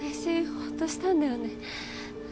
ホッとしたんだよね。